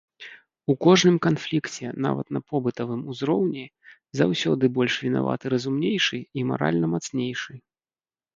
У кожным канфлікце, нават на побытавым узроўні, заўсёды больш вінаваты разумнейшы і маральна мацнейшы.